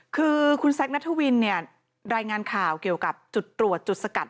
คือคุณแซคนัทวินเนี่ยรายงานข่าวเกี่ยวกับจุดตรวจจุดสกัด